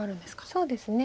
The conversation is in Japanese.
そうですね。